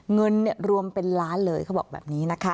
เงินรวมเป็นล้านเลยเขาบอกแบบนี้นะคะ